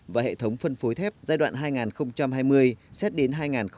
và hệ thống phân phối thép giai đoạn hai nghìn hai mươi xét đến hai nghìn hai mươi năm